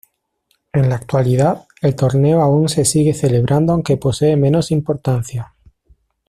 En la actualidad, el torneo aún se sigue celebrando aunque posee menos importancia.